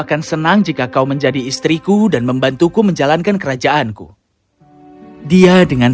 akan senang jika kau menjadi istriku dan membantuku menjalankan kerajaanku dia dengan